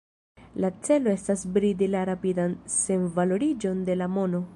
La celo estas bridi la rapidan senvaloriĝon de la mono.